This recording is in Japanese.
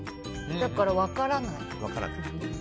だから、分からない。